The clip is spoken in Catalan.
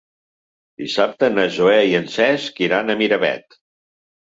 Dissabte na Zoè i en Cesc iran a Miravet.